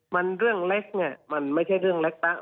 เป็นเรื่องเล็กไม่ใช่เรื่องเล็ก